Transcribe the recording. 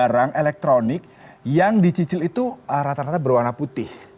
barang elektronik yang dicicil itu rata rata berwarna putih